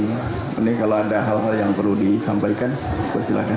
ini kalau ada hal hal yang perlu disampaikan persilahkan